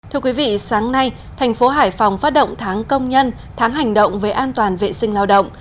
thưa quý vị sáng nay thành phố hải phòng phát động tháng công nhân tháng hành động về an toàn vệ sinh lao động